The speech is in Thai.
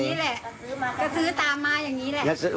ก็ซื้อตามมาอย่างนี้แหละ